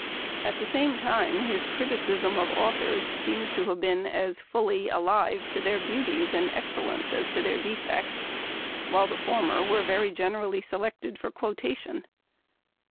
At the same time his criticism of authors seems to have been as fully alive to their beauties and excellence as to their defects, while the former were very generally selected for quotation.